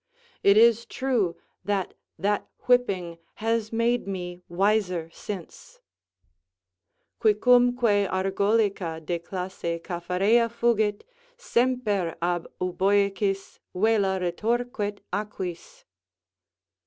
It is true that that whipping has made me wiser since: "Quicumque Argolica de classe Capharea fugit, Semper ab Euboicis vela retorquet aquis."